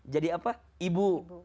jadi apa ibu